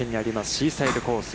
シーサイドコース